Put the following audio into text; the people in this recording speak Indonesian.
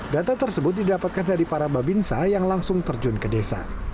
data tersebut didapatkan dari para babinsa yang langsung terjun ke desa